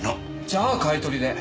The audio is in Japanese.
じゃあ買い取りで。